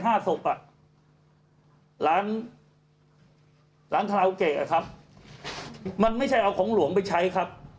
ศพอ่ะร้านร้านคาราโอเกะครับมันไม่ใช่เอาของหลวงไปใช้ครับ